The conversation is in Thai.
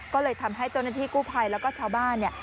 ก็เลยทำให้เจ้าหน้าที่กู้ภัยแล้วก็ชาวบ้านเนี่ย